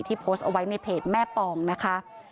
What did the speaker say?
โพสต์เอาไว้ในเพจแม่ปองนะคะ